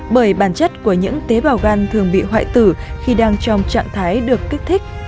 bởi bản chất của những tế bào gan thường bị hoại tử khi đang trong trạng thái được kích thích